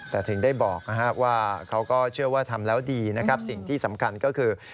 แต่ถึงได้บอกว่าเขาก็เชื่อว่าทำแล้วดีนะครับสิ่งที่สำคัญก็คือ